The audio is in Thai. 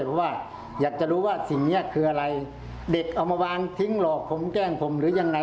เพราะว่าอยากจะรู้ว่าสิ่งนี้คืออะไรเด็กเอามาวางทิ้งหลอกผมแกล้งผมหรือยังไง